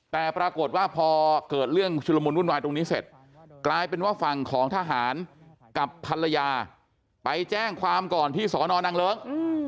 แต่ปรากฏว่าพอเกิดเรื่องชุลมุนวุ่นวายตรงนี้เสร็จกลายเป็นว่าฝั่งของทหารกับภรรยาไปแจ้งความก่อนที่สอนอนังเลิ้ง